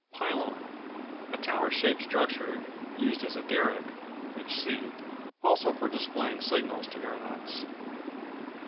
Pylon A tower shaped structure used as a derrick (which see); also for displaying signals to aeronauts.